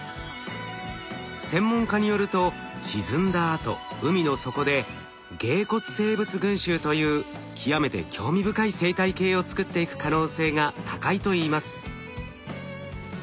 専門家によると沈んだあと海の底で鯨骨生物群集という極めて興味深い生態系を作っていく可能性が高いといいます。